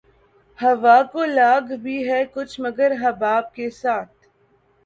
ہوا کو لاگ بھی ہے کچھ مگر حباب کے ساتھ